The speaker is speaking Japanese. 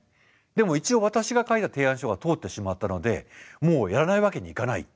でも一応私が書いた提案書が通ってしまったのでもうやらないわけにいかない。